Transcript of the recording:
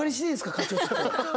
課長。